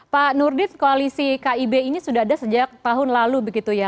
pak nurdif koalisi kib ini sudah ada sejak tahun lalu begitu ya